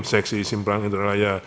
seksi simpang indralaya